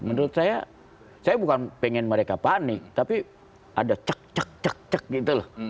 menurut saya saya bukan pengen mereka panik tapi ada cek cek cek cek gitu loh